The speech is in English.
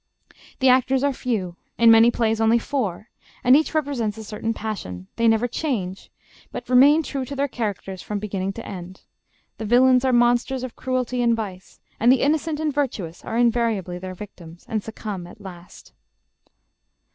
The actors are few, in many plays only four, and each represents a certain passion. They never change, but remain true to their characters from beginning to end. The villains are monsters of cruelty and vice, and the innocent and virtuous are invariably their victims, and succumb at last.